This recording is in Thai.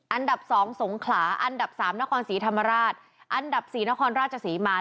อันดับสองสงขลาอันดับสามนครศรีธรรมราชอันดับสี่นครราชศรีมา